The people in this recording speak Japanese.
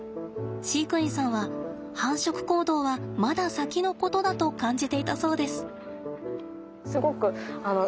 飼育員さんは繁殖行動はまだ先のことだと感じていたそうです。